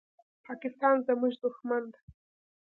پاکستان زموږ دښمن ده.